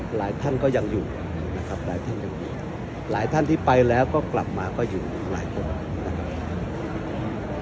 หลายท่านก็ยังอยู่นะครับหลายท่านยังมีหลายท่านที่ไปแล้วก็กลับมาก็อยู่หลายคนนะครับ